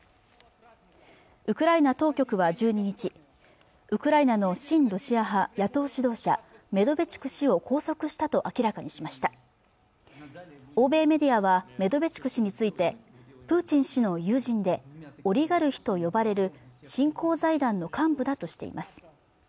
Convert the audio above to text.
ウクライナ当局は１２日ウクライナの親ロシア派野党指導者メドベチュク氏を拘束したと明らかにしました欧米メディアはメドベチュク氏についてプーチン氏の友人でオリガルヒと呼ばれる振興財団の幹部だとしています